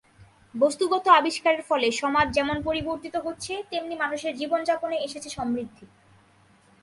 বস্তুগত আবিষ্কারের ফলে সমাজ যেমন পরিবর্তিত হচ্ছে, তেমনি মানুষের জীবনযাপনে এসেছে সমৃদ্ধি।